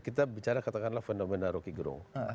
kita bicara katakanlah fenomena roky gerung